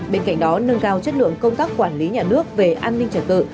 bên cạnh đó nâng cao chất lượng công tác quản lý nhà nước về an ninh trật tự